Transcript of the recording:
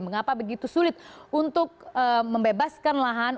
mengapa begitu sulit untuk membebaskan lahan